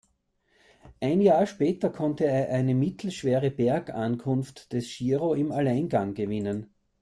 Ein Jahr später konnte er eine mittelschwere Bergankunft des Giro im Alleingang gewinnen.